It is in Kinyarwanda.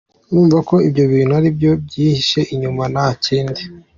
Urumva ko ibyo bintu aribyo byihishe inyuma nta kindi.